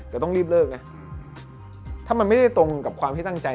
แต่ต้องรีบเลิกนะถ้ามันไม่ได้ตรงกับความที่ตั้งใจ